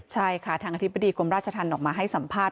ใช่ค่ะทางอธิบดีกรมราชธรรมออกมาให้สัมภาษ